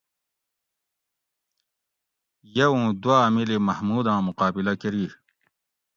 یہ اوُن دواۤ میلی محموداں مقابلہ کۤری